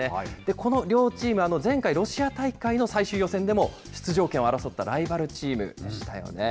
この両チーム、前回ロシア大会の最終予選でも、出場権を争ったライバルチームでしたよね。